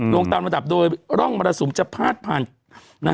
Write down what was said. ลงตอนมดับโดยร่องมรศุมธ์จะผลาดผ่าน